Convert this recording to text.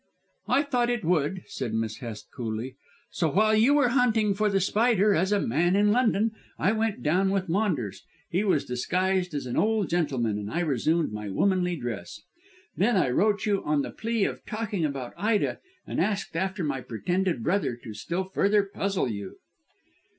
"I thought it would," said Miss Hest coolly. "So while you were hunting for The Spider as a man in London I went down with Maunders he was disguised as an old gentleman and I resumed my womanly dress. Then I wrote you on the plea of talking about Ida and asked after my pretended brother to still further puzzle you."